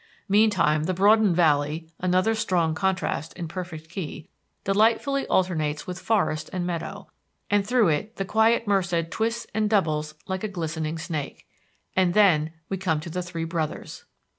Meantime the broadened valley, another strong contrast in perfect key, delightfully alternates with forest and meadow, and through it the quiet Merced twists and doubles like a glistening snake. And then we come to the Three Brothers.